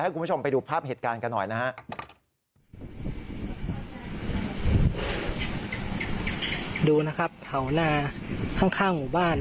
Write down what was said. คุณผู้ชมไปดูภาพเหตุการณ์กันหน่อยนะฮะ